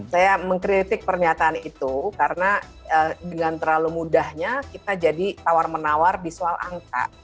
saya mengkritik pernyataan itu karena dengan terlalu mudahnya kita jadi tawar menawar di soal angka